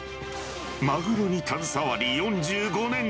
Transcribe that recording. マグロに携わり４５年。